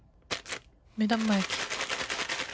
目玉焼き。